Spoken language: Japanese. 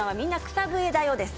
草笛だよ」です。